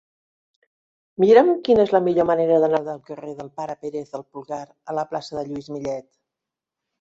Mira'm quina és la millor manera d'anar del carrer del Pare Pérez del Pulgar a la plaça de Lluís Millet.